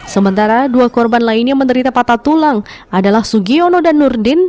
sementara dua korban lainnya menderita patah tulang adalah sugiono dan nurdin